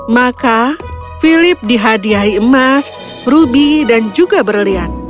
maka philip dihadiahi emas ruby dan juga berlian